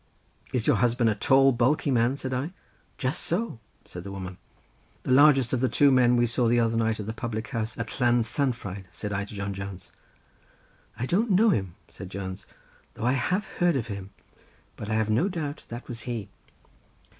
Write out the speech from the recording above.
"Is your husband a tall bulky man?" said I. "Just so," said the woman. "The largest of the two men we saw the other night at the public house at Llansanfraid," said I to John Jones. "I don't know him," said Jones, "though I have heard of him, but I have no doubt that was he."